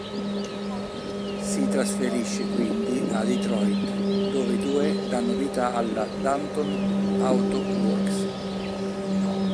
Si trasferisce quindi a Detroit dove i due danno vita alla Danton Auto Works.